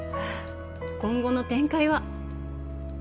今後の展開は？